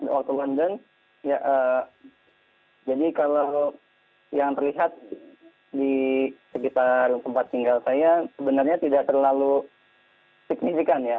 waktu london jadi kalau yang terlihat di sekitar tempat tinggal saya sebenarnya tidak terlalu signifikan ya